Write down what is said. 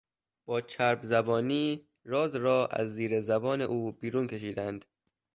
با چرب زبانی راز را از زیر زبان او بیرون کشیدند.